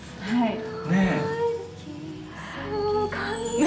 はい。